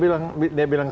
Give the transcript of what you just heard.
ya dia bilang